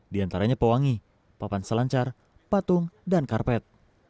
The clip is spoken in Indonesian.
di antaranya pewangi papan selancar patung dan karpet